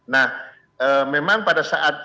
nah memang pada saat